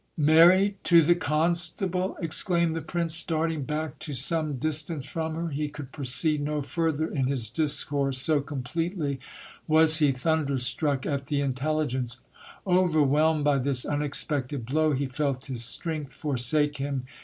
Married to the constable ! exclaimed the prince, starting back to some dis tance from her. He could proceed no further in his discourse, so completely THE FATAL MARRIAGE. 129 was he thunderstruck at the intelligence. Overwhelmed by this unexpected blow, he felt his strength forsake him.